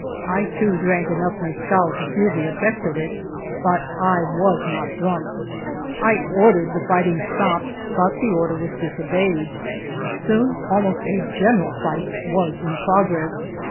I, too, drank enough mescal to feel the effect of it, but I was not drunk. I ordered the fight ing stopped, but the order was disobeyed. Soon almost a general fight was in progress.